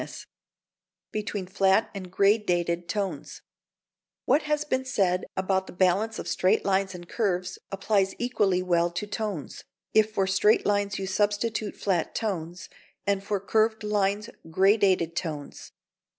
[Sidenote: Between Flat and Gradated Tones] What has been said about the balance of straight lines and curves applies equally well to tones, if for straight lines you substitute flat tones, and for curved lines gradated tones.